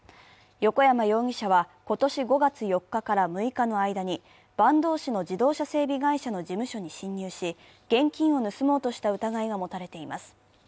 横山容疑者は今年５月４日から６日の間に坂東市の自動車整備会社の事務所に侵入し現金を盗もうとした疑いが持たれています。